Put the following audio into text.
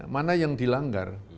mana yang dilanggar